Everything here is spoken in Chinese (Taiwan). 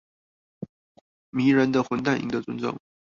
迷人的混蛋贏得尊重